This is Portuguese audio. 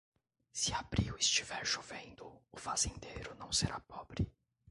Se abril estiver chovendo, o fazendeiro não será pobre.